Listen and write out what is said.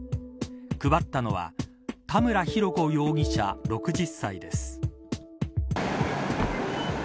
配ったのは田村浩子容疑者６０歳です。